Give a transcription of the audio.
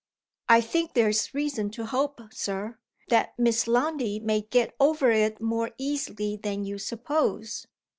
"I think there's reason to hope, Sir, that Miss Lundie may get over it more easily than you suppose."